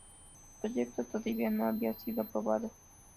El proyecto todavía no había sido aprobado.